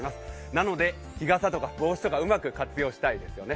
なので、日傘とか帽子とかうまく活用したいですよね。